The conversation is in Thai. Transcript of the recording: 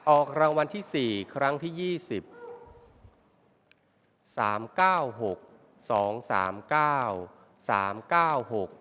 ออกรางวัลที่สี่ครั้งที่สิบเก้า